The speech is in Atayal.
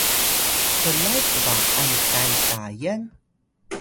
blay kba’an kay Tayan?